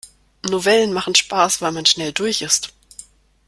Novellen machen Spaß, weil man schnell durch ist.